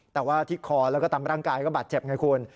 แต่ว่าที่คอแล้วก็ตามร่างกายก็บาดเจ็บไงคุณ